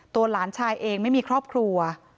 หลานชายเองไม่มีครอบครัว